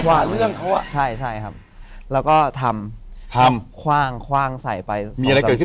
คว่างเหมือนใช่ครับแล้วก็ทำคว่างใส่ไป๒๓ที